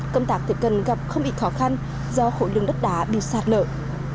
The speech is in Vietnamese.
công tác tiếp cận gặp không bị khó khăn do khổ lượng đất đá bị sạt lợi